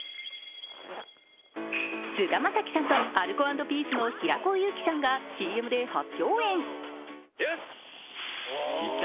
菅田将暉さんとアルコ＆ピースの平子祐希さんがＣＭで初共演。